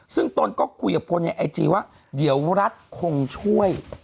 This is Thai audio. ซึ่งตนก็คุยกับคนในไอจีว่าเดี๋ยวรัฐคงช่วย